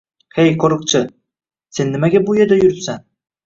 Hey qoʻriqchi, sen nimaga bu yerda yuribsan.